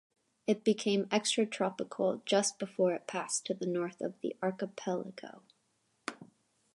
It became extratropical just before it passed to the north of the archipelago.